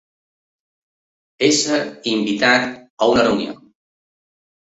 Ésser invitat a una reunió.